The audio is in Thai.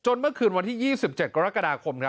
เมื่อคืนวันที่๒๗กรกฎาคม